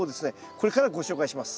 これからご紹介します。